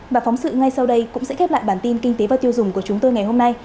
và phóng sự ngay sau đây cũng sẽ khép lại bản tin kinh tế và tiêu dùng của chúng tôi ngày hôm nay